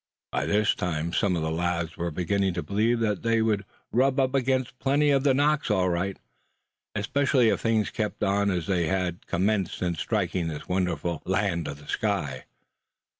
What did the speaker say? By this time some of the lads were beginning to believe that they would rub up against plenty of the "knocks" all right; especially if things kept on as they had commenced since striking this wonderful "Land of the Sky."